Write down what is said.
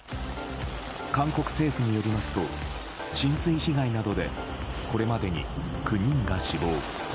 韓国政府によりますと浸水被害などでこれまでに９人が死亡。